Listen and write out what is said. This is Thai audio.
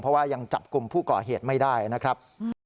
เพราะว่ายังจับกลุ่มผู้ก่อเหตุไม่ได้นะครับ